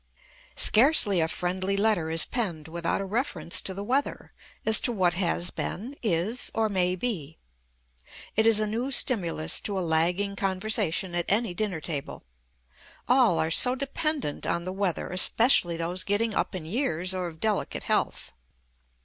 Scarcely a friendly letter is penned without a reference to the weather, as to what has been, is, or may be. It is a new stimulus to a lagging conversation at any dinner table. All are so dependent on the weather, especially those getting up in years or of delicate health.